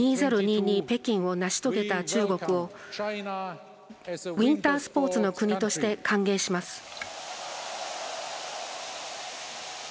北京を成し遂げた中国をウインタースポーツの国として歓迎します。